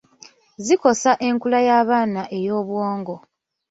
Zikosa enkula y’abaana ey’obwongo.